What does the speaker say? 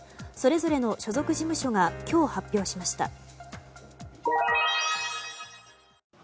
それぞれの所属事務所が今日、発表しました。